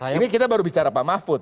ini kita baru bicara pak mahfud